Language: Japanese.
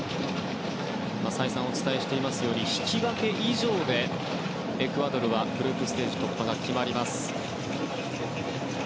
再三お伝えしていますように引き分け以上でエクアドルはグループステージ突破が決まります。